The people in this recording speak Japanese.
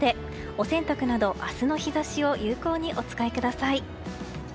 お洗濯など明日の日差しを有効にお使いください。